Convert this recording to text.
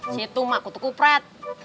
situ mak kutukuprat